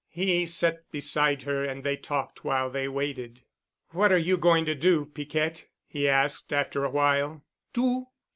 He sat beside her and they talked while they waited. "What are you going to do, Piquette?" he asked, after awhile. "Do?